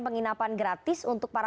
penginapan gratis untuk para